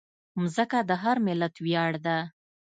مځکه د هر ملت ویاړ ده.